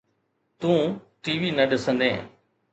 تون T V نه ڏسندين؟